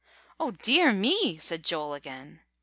"Oh, dear me!" said Joel again.